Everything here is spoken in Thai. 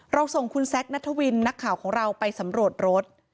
ส่งคุณแซคนัทวินนักข่าวของเราไปสำรวจรถ